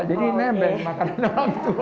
jadi nebeng makanan orang tua